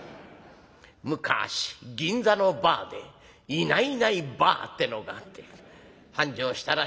「昔銀座のバーで『いないいないバー』ってのがあって繁盛したらしいぞ。